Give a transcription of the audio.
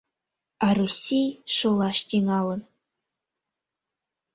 А Россий шолаш тӱҥалын...